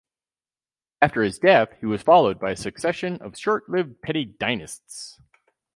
After his death, he was followed by a succession of short-lived petty dynasts.